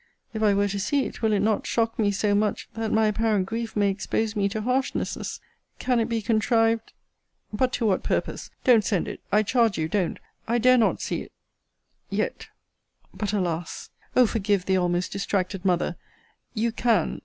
If I were to see it, will it not shock me so much, that my apparent grief may expose me to harshnesses? Can it be contrived But to what purpose? Don't send it I charge you don't I dare not see it Yet But alas! Oh! forgive the almost distracted mother! You can.